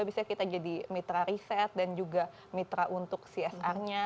biasanya kita jadi mitra riset dan juga mitra untuk csr nya